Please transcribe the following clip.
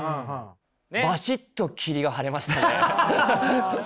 ばしっと霧が晴れましたね。